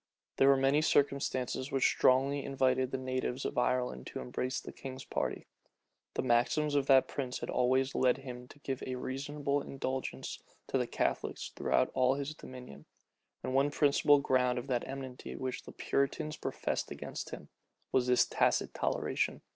There were many circumstances which strongly invited the natives of Ireland to embrace the king's party. The maxims of that prince had always led him to give a reasonable indulgence to the Catholics throughout all his dominions; and one principal ground of that enmity which the Puritans professed against him, was this tacit toleration.